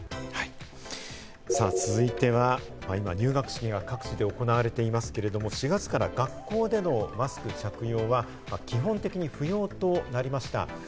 はい、さぁ続いては、今、入学式が各地で行われていますけど、４月から学校でのマスク着用は基本的に不要となりました。